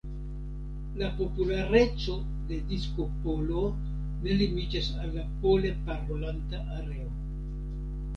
La populareco de disko polo ne limiĝas al la pole parolanta areo.